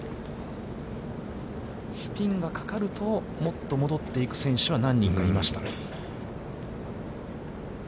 スピンがかかると、もっと戻っていく選手は何人かいました。